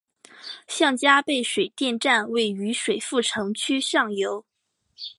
向家坝水电站位于水富城区上游。